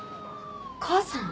お母さん。